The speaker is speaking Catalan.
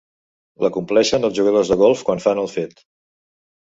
L'acompleixen els jugadors de golf quan fan el fet.